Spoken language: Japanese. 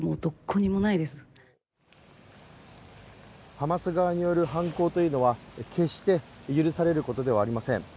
ハマス側による犯行というのは決して許されることではありません